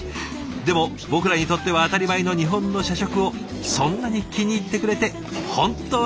でも僕らにとっては当たり前の日本の社食をそんなに気に入ってくれて本当にありがとうございます。